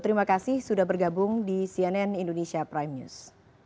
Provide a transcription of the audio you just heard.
terima kasih sudah bergabung di cnn indonesia prime news